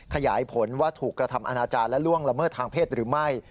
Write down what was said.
ขยายผลว่าถูกกระทำอนาจารย์และล่วงละเมิดทางเพศหรือไม่